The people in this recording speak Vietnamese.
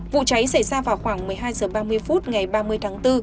vụ cháy xảy ra vào khoảng một mươi hai h ba mươi phút ngày ba mươi tháng bốn